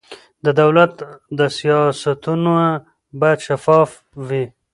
د دولت سیاستونه باید شفاف وي